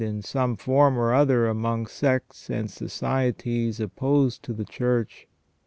175 in some form or other among sects and societies opposed to the Church.